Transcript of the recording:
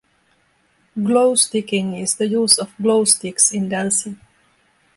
Glowsticking is the use of glow sticks in dancing.